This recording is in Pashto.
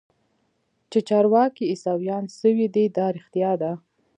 چې چارواکي عيسويان سوي دي دا رښتيا ده.